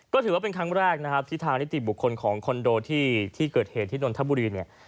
ก็ถือว่าเป็นครั้งแรกนะครับที่ทางนิติบุคคลของคอนโดที่เกิดเหตุที่นนทบุรีเนี่ย